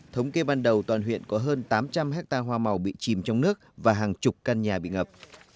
thống kê ban đầu toàn huyện có hơn tám trăm linh hectare hoa màu bị chìm trong nước và hàng chục căn nhà bị ngập